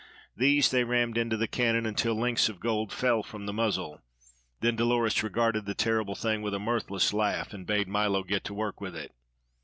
These they rammed into the cannon, until links of gold fell from the muzzle; then Dolores regarded the terrible thing with a mirthless laugh and bade Milo get to work with it.